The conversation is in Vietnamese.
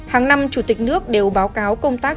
hàng năm chủ tịch nước đều báo cáo công tác